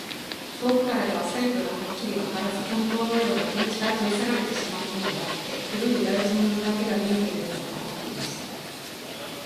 遠くからでは細部がはっきりわからず、ほんとうの絵は額ぶちから取り去られてしまったのであって、黒い裏打ちの布だけが見えているのだ、と思っていた。